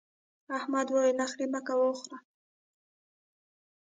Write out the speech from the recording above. احمد وويل: نخرې مه کوه وخوره.